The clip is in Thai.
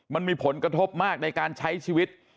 มันมีผลกระทบมากในการใช้ชีวิต